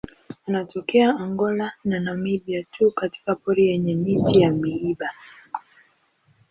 Anatokea Angola na Namibia tu katika pori yenye miti ya miiba.